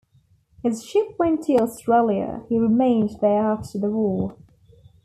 His ship went to Australia; he remained there after the war.